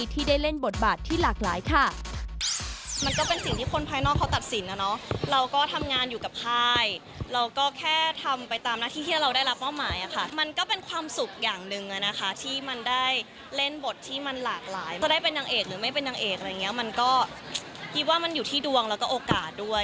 ที่ได้เล่นบทบาทที่หลากหลายค่ะ